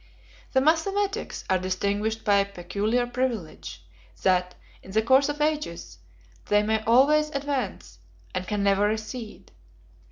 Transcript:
The mathematics are distinguished by a peculiar privilege, that, in the course of ages, they may always advance, and can never recede.